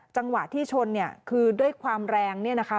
จังหวะที่ชนเนี่ยคือด้วยความแรงเนี่ยนะคะ